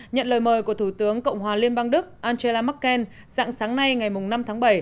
nhận lời mời của thủ tướng cộng hòa liên bang đức angela merkel dạng sáng nay ngày năm tháng bảy